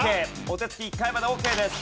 お手つき１回までオーケーです。